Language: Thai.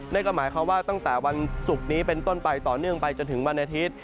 นั่นก็หมายความว่าตั้งแต่วันศุกร์นี้เป็นต้นไปต่อเนื่องไปจนถึงวันอาทิตย์